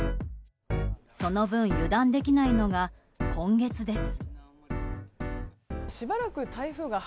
その分、油断できないのが今月です。